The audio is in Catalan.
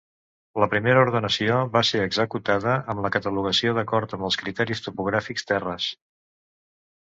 La primera ordenació va ser executada amb la catalogació d'acord amb criteris topogràfics terres.